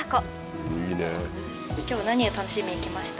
今日は何を楽しみに来ました？